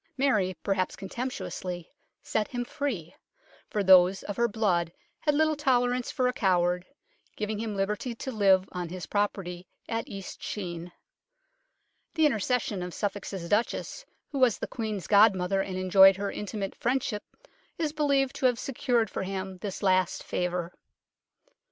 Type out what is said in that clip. Mary, perhaps contemptuously, set him free, for those of her blood had little tolerance for a coward, giving him liberty to live on his property at East Sheen. The intercession of Suffolk's Duchess, who was the Queen's godmother and enjoyed her intimate friendship, is believed to have secured for him this last favour.